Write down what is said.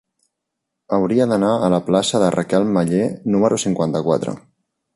Hauria d'anar a la plaça de Raquel Meller número cinquanta-quatre.